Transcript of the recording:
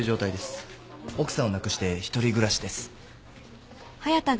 奥さんを亡くして１人暮らしです。